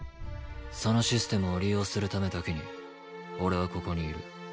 そのシステムを利用するためだけに俺はここにいる。